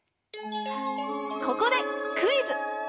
ここでクイズ！